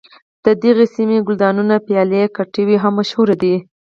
د دغې سیمې ګلدانونه پیالې کټوۍ هم مشهور دي.